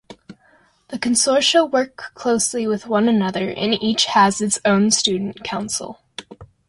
The consortia work closely with one another and each has its own student council.